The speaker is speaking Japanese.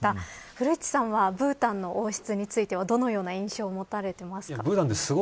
古市さんは、ブータンの王室について、どのような印象を持たれていますか。